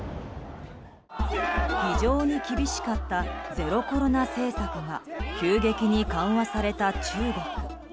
非常に厳しかったゼロコロナ政策が急激に緩和された中国。